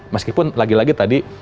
meskipun lagi lagi tadi